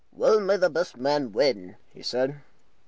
"Well, may the best man win," he said.